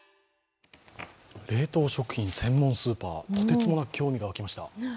冷凍食品専門スーパー、とてつもなく興味が湧きました。